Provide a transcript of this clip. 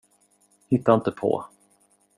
Hitta inte på.